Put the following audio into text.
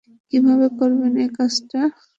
কীভাবে করবেন এই কাজটা?